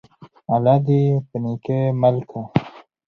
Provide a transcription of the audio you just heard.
الله دي په نيکۍ مل که!